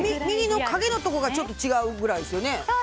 右の影のところがちょっと違うくらいですよね。